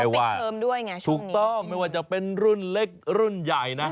ว่าจะเป็นรุ่นเล็กรุ่นใหญ่นะ